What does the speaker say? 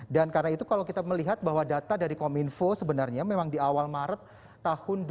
dan karena itu kalau kita melihat bahwa data dari kominfo sebenarnya memang di awal maret dua ribu dua puluh satu